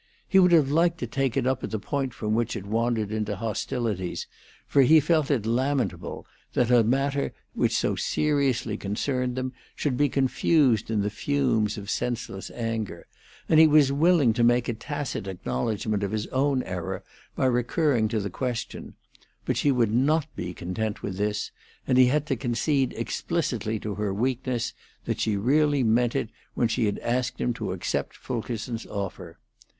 He would have liked to take it up at the point from which it wandered into hostilities, for he felt it lamentable that a matter which so seriously concerned them should be confused in the fumes of senseless anger; and he was willing to make a tacit acknowledgment of his own error by recurring to the question, but she would not be content with this, and he had to concede explicitly to her weakness that she really meant it when she had asked him to accept Fulkerson's offer.